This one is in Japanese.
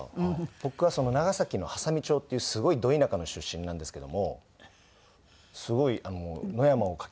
僕は長崎の波佐見町っていうすごいド田舎の出身なんですけどもすごい野山を駆け巡ってたのでちょっとこう。